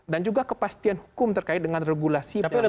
dan juga kepastian hukum terkait dengan regulasi pelanggaran